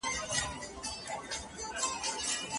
ایا پوهنه کولای شي چې په هېواد کې د تلپاتې سولې لامل شي؟